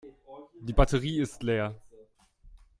Die Batterie ist leer.